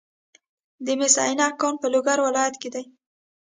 د مس عینک کان په لوګر ولایت کې دی.